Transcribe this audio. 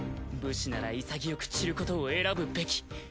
武士なら潔く散ることを選ぶべき。